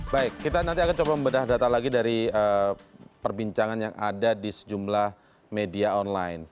baik kita nanti akan coba membedah data lagi dari perbincangan yang ada di sejumlah media online